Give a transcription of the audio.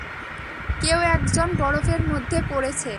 কেউ একজন বরফের মধ্যে পড়েছে।